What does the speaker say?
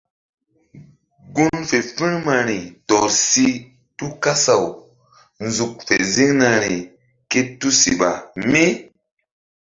Gun fe firmari tɔr si tu kasaw nzuk fe ziŋnari ké tusiɓa mí.